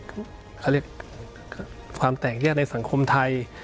เขาเรียกความแตกแยกในสังคมไทย